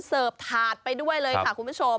เสิร์ฟถาดไปด้วยเลยค่ะคุณผู้ชม